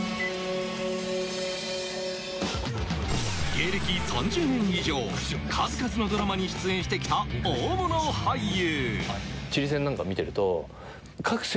芸歴３０年以上、数々のドラマに出演してきた大物俳優。